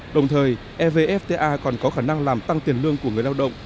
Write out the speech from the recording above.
đồng thời evfta còn có khả năng làm tăng tiền lương của người lao động